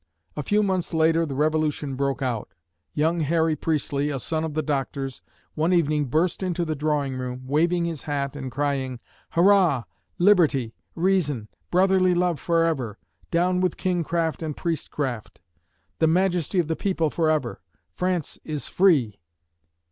A few months later the revolution broke out. Young Harry Priestley, a son of the Doctor's, one evening burst into the drawing room, waving his hat and crying, "Hurrah! Liberty, Reason, Brotherly Love forever! Down with kingcraft and priestcraft! The majesty of the people forever! France is free!"